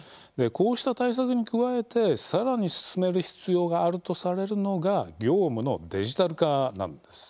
こうした対策に加えて、さらに進める必要があるとされるのが業務のデジタル化なんです。